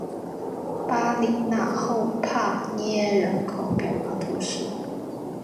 巴里讷后帕涅人口变化图示